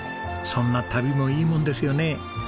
そんな旅もいいもんですよね。